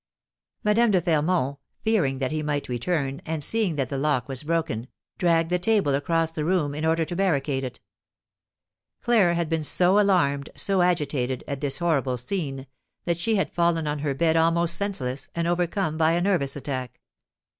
Madame de Fermont, fearing that he might return, and seeing that the lock was broken, dragged the table across the room, in order to barricade it. Claire had been so alarmed, so agitated, at this horrible scene, that she had fallen on her bed almost senseless, and overcome by a nervous attack.